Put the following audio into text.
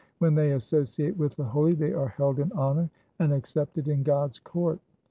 When they associate with the holy, they are held in honour and accepted in God's court.